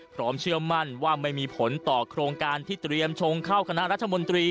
เชื่อมั่นว่าไม่มีผลต่อโครงการที่เตรียมชงเข้าคณะรัฐมนตรี